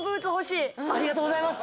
ありがとうございます